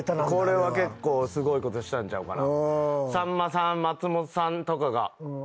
これは結構すごいことしたんちゃうかな。